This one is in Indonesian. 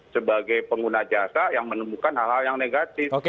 sebagai pengguna jasa yang menemukan hal hal yang negatif